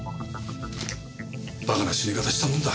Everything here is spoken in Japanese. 馬鹿な死に方したもんだ。